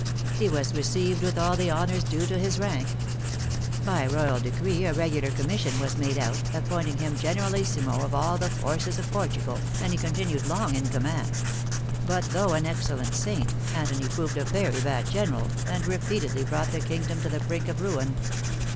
lie was received with all the honors due to his rank. By royal decree a regular commission was made out, ap pointing him generalissimo of all the forces of Portu gal, and he continued long in command ; but, though tin excellent saint, Antony proved a very bad general, and repeatedly brought the kingdom to the brink of ruin.